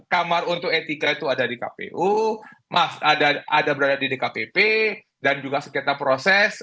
kamar untuk etika itu ada di kpu ada berada di dkpp dan juga sengketa proses